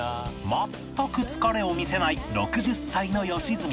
全く疲れを見せない６０歳の良純